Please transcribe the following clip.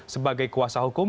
sebagai kuasa hukum